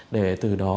để từ đó